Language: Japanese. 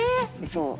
そう。